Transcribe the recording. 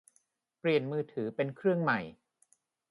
เปลี่ยนมือถือเป็นเครื่องใหม่